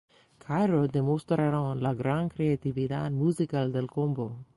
Cairo" demostraron la gran creatividad musical del combo.